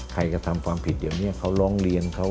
ใครทำความผิดแบบนี้คงร้องเรียน